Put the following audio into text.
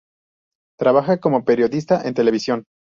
Trabaja como periodista en televisión.